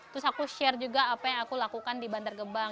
terus aku share juga apa yang aku lakukan di bantar gebang